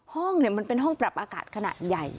มันเป็นห้องปรับอากาศขนาดใหญ่